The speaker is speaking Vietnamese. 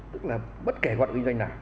tức là bất kể hoạt động kinh doanh nào